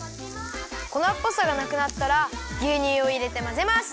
こなっぽさがなくなったらぎゅうにゅうをいれてまぜます！